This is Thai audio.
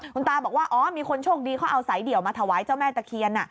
คุณตาบอกว่าอ๋อมีคนโชคดีเขาเอาสายเดี่ยวมาถวายเจ้าแม่ตะเคียน